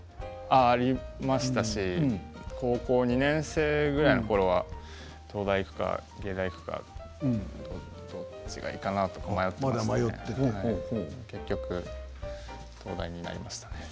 ありましたし高校２年生くらいのころは東大に行くか芸大に行くかどっちがいいかなと迷って結局、東大になりましたね。